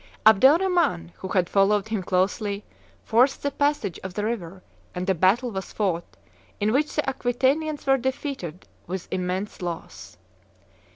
Abdel Rhaman who had followed him closely, forced the passage of the river, and a battle was fought, in which the Aquitanians were defeated with immense loss.